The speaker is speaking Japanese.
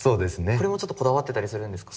これもちょっとこだわってたりするんですか？